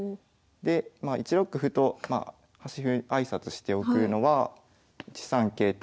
でまあ１六歩と端歩挨拶しておくのは１三桂と。